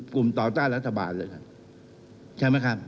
กลุ่มต่อต้านรัฐบาลเลยใช่ไหมครับ